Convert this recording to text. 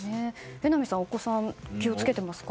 榎並さん、お子さん気を付けてますか？